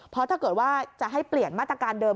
เพราะถ้าเกิดว่าจะให้เปลี่ยนมาตรการเดิม